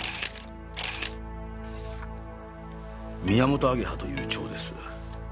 ミヤモトアゲハという蝶です。